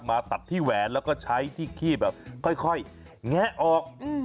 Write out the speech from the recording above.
มาตัดที่แหวนแล้วก็ใช้ที่ขี้แบบค่อยแงะออก